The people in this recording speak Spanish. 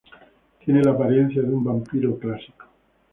Tiene la apariencia de un vampiro clásico.